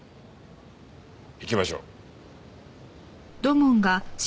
行きましょう。